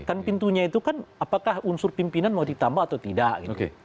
kan pintunya itu kan apakah unsur pimpinan mau ditambah atau tidak gitu